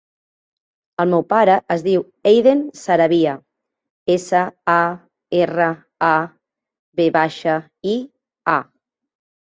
El meu pare es diu Eiden Saravia: essa, a, erra, a, ve baixa, i, a.